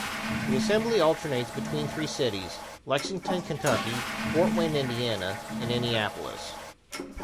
The assembly alternates between three cities: Lexington, Kentucky; Fort Wayne, Indiana, and Indianapolis.